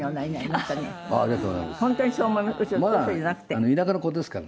まあ田舎の子ですからね。